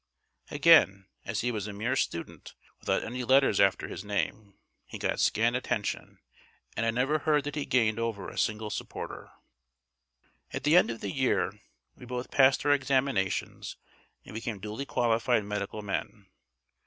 Again, as he was a mere student without any letters after his name, he got scant attention, and I never heard that he gained over a single supporter. At the end of the year we both passed our examinations and became duly qualified medical men.